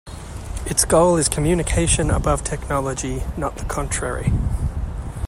Its goal is communication above technology not the contrary.